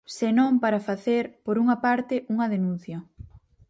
Senón para facer, por unha parte, unha denuncia.